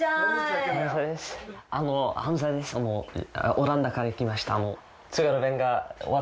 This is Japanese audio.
オランダから来ました。